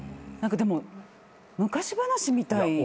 でも昔話みたい。